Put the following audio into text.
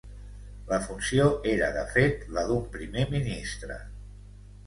La funció era de fet la d'un primer ministre.